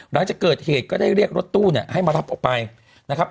หลังจากเกิดเหตุก็ได้เรียกรถตู้เนี่ยให้มารับออกไปนะครับ